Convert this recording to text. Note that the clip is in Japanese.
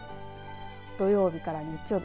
土曜日から日曜日